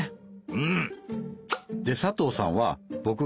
うん。